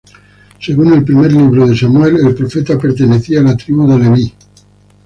Según el Primer Libro de Samuel, el profeta pertenecía a la Tribu de Leví.